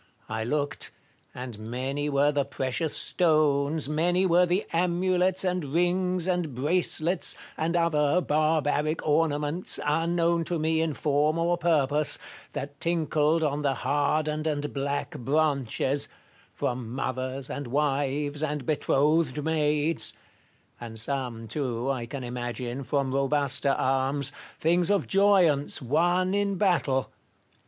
I looked ; and many were the precious stones, many were the amulets and rings and bracelets, and other barbaric ornaments, unknown to me in form or purpose, that tinkled on the hardened and black branches, from mothers and wives and betrothed maids; and some, too, I can imagine, from robuster arms — things of joyance, won in battle.